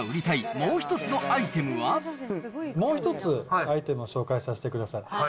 もう１つ、アイテムを紹介させてください。